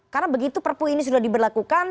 karena begitu perpu ini sudah diberlakukan